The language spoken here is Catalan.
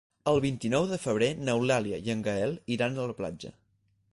El vint-i-nou de febrer n'Eulàlia i en Gaël iran a la platja.